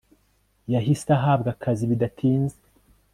yahise ahabwa akazi bidatinze